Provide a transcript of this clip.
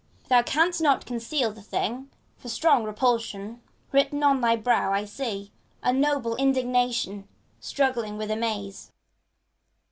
Thou canst not conceal the thing; For strong repulsion written on thy brow I see. And noble indignation, struggling with amaze.